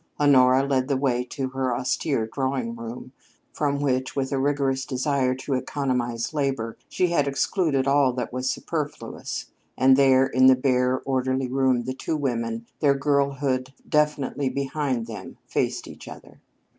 Honora led the way to her austere drawing room, from which, with a rigorous desire to economize labor, she had excluded all that was superfluous, and there, in the bare, orderly room, the two women their girlhood definitely behind them faced each other.